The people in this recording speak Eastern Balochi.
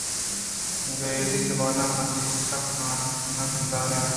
ءُ انگریزی زبان مرچی سک نامدار اِنت